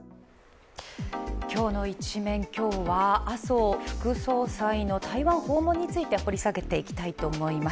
今日のイチメン、麻生副総裁の台湾訪問について掘り下げたいと思います。